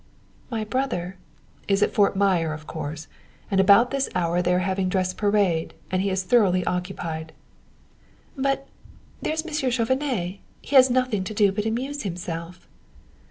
"My brother " "Is at Fort Myer, of course. At about this hour they are having dress parade, and he is thoroughly occupied." "But there is Monsieur Chauvenet. He has nothing to do but amuse himself."